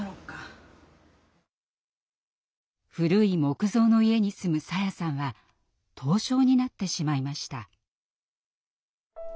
古い木造の家に住むさやさんは凍傷になってしまいました。